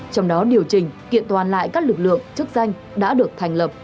trong đó điều chỉnh kiện toàn lại các lực lượng chức danh đã được thành lập